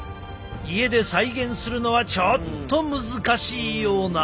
家で再現するのはちょっと難しいような。